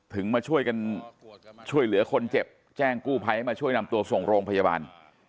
มาช่วยกันช่วยเหลือคนเจ็บแจ้งกู้ภัยให้มาช่วยนำตัวส่งโรงพยาบาล